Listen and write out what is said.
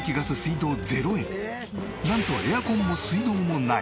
なんとエアコンも水道もない。